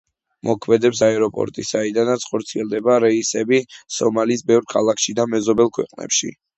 მოქმედებს აეროპორტი, საიდანაც ხორციელდება რეისები სომალის ბევრ ქალაქში და მეზობელ ქვეყნებში.